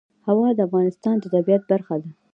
هوا د افغانستان د طبیعت برخه ده.